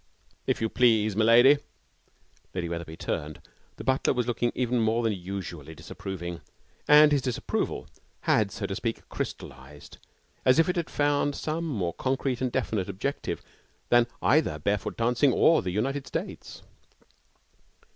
'If you please, m'lady!' Lady Wetherby turned. The butler was looking even more than usually disapproving, and his disapproval had, so to speak, crystallized, as if it had found some more concrete and definite objective than either barefoot dancing or the United States.